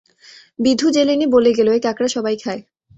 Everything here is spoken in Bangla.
বিধু জেলেনি বলে গেল এ কাঁকড়া সবাই খায়।